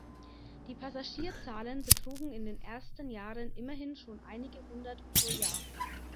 Die Passagierzahlen betrugen in den ersten Jahren immerhin schon einige Hundert pro Jahr.